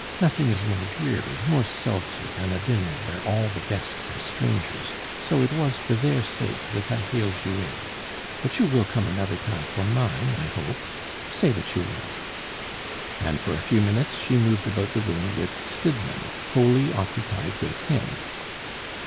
Nothing is more dreary, more sulky, than a dinner where all the guests are strangers, so it was for their sake that I hailed you in but you will come another time for mine, I hope? Say that you will." And for a few minutes she moved about the room with Stidmann, wholly occupied with him.